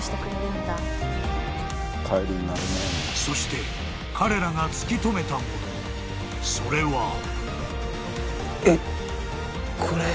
［そして彼らが突き止めたものそれは］